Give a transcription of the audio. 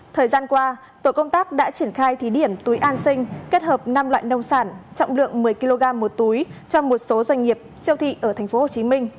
thời gian qua tổ công tác đã triển khai thí điểm túi an sinh kết hợp năm loại nông sản trọng lượng một mươi kg một túi cho một số doanh nghiệp siêu thị ở tp hcm